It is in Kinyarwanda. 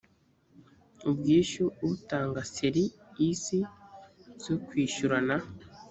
ubwishyu utanga ser isi zo kwishyurana